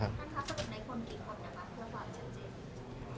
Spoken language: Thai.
ท่านครับสมมุติในคนกี่คนนะครับเพื่อบอกเจ็บเจ็บ